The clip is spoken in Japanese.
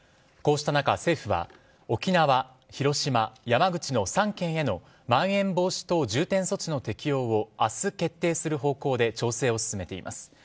こうした中、政府は沖縄、広島、山口の３県へのまん延防止等重点措置の適用を明日、決定する方向で調整を進めています。